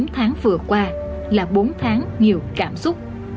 chín tháng vừa qua là bốn tháng nhiều cảm xúc